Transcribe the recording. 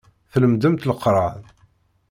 Tlemdemt Leqran.